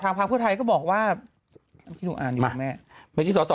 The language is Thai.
ทางพาเพื่อไทยก็บอกว่าน้ำพี่หนูอ่านดีไหมแม่ไม่ที่สอสอ